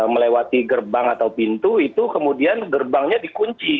melewati gerbang atau pintu itu kemudian gerbangnya dikunci